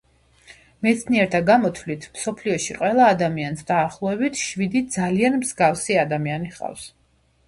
მეცნიერთა გამოთვლით, მსოფლიოში ყველა ადამიანს, დაახლოებით, შვიდი ძალიან მსგავსი ადამიანი ჰყავს.